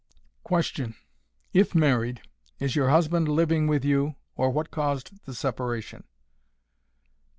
Question. IF MARRIED, IS YOUR HUSBAND LIVING WITH YOU, OR WHAT CAUSED THE SEPARATION?